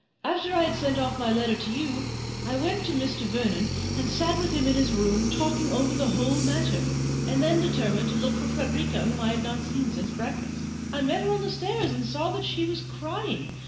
After I had sent off my letter to you, I went to Mr. Vernon, and sat with him in his room talking over the whole matter, and then determined to look for Frederica, whom I had not seen since breakfast. I met her on the stairs, and saw that she was crying.